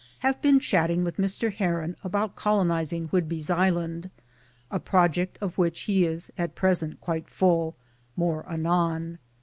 Have been chat ting with Mr. Herron about colonizing Whidby's island, a project of which he is at present quite full more anon.